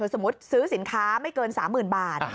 สมมุติซื้อสินค้าไม่เกิน๓๐๐๐บาท